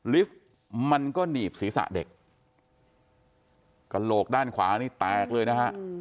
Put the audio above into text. ลิฟต์มันก็หนีบศีรษะเด็กกระโหลกด้านขวานี่แตกเลยนะฮะ